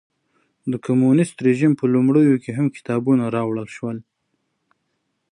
د کمونېستي رژیم په لومړیو کې هم کتابونه راوړل شول.